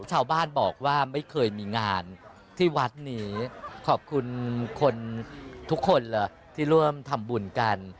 ชาวบ้านบอกว่าไม่เคยมีงานที่วัดนี้ขอบคุณคนทุกคนเลยที่ร่วมทำบุญกัน